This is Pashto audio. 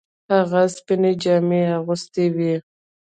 هغه سپینې جامې اغوستې وې.